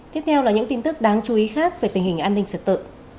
tiếp theo là những tin tức đáng chú ý khác về tình hình an ninh trật tự